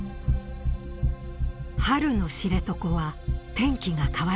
春の知床は天気が変わりやすい。